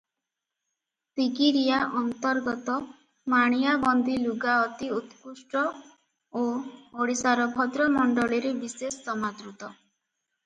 ତିଗିରିଆ ଅନ୍ତର୍ଗତ ମାଣିଆବନ୍ଦୀ ଲୁଗା ଅତି ଉତ୍କଷ୍ଟ ଓ ଓଡ଼ିଶାର ଭଦ୍ରମଣ୍ଡଳୀରେ ବିଶେଷ ସମାଦୃତ ।